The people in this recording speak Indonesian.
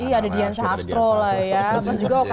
iya ada dianza hastro lah ya